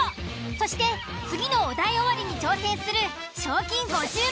そして次のお題終わりに挑戦する。